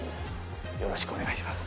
よろしくお願いします。